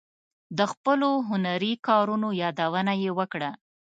د خپلو هنري کارونو یادونه یې وکړه.